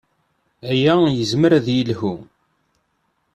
Aya yezmer ad yelḥu.